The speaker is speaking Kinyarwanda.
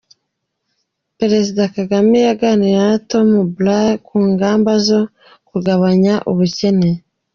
Perezida Kagame yaganiriye na Tony Blair ku ngamba zo kugabanya ubukene